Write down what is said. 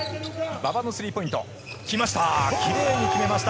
馬場のスリーポイントきました。